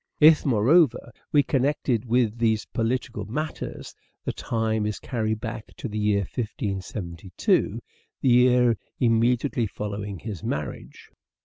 If, moreover, we connect it with these political matters the time is carried back to the year 1572 : the year immediately following his marriage.